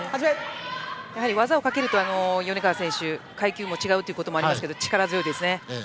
やはり技をかけると米川選手は階級も違うということもあって力強いですね。